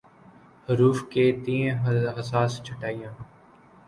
حروف کے تئیں حساس چھٹائی